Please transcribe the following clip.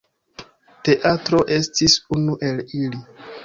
Teatro estis unu el ili.